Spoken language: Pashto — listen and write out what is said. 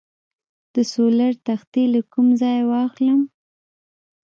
د سولر تختې له کوم ځای واخلم؟